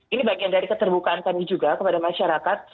ini bagian dari keterbukaan kami juga kepada masyarakat